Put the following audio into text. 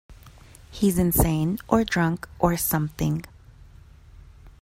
He's insane or drunk or something.